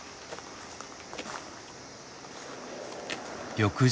翌日。